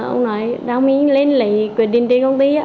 ông nói đã không ý lên lấy quyết định trên công ty